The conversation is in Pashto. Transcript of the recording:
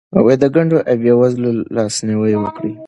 د کونډو او بېوزلو لاسنیوی وکړئ.